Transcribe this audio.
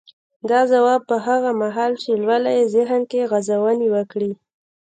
دا ځواب به هغه مهال چې لولئ يې ذهن کې غځونې وکړي.